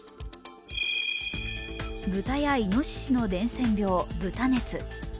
豚やいのししの伝染病、豚熱。